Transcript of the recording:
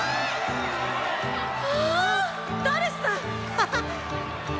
ハハッ！